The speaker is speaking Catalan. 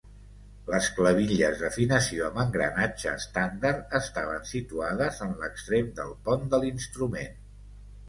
Les clavilles d'afinació amb engranatge estàndard estaven situades en l'extrem del pont de l'instrument.